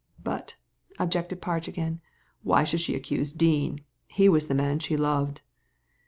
"But,'' objected Parge, again, "why should she accuse Dean ? He was the man she loved."